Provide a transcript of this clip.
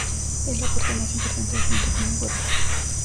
Es la parte más importante adjunto con el cuerpo.